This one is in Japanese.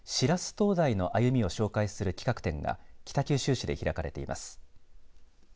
灯台の歩みを紹介する企画展が北九州市で開かれています。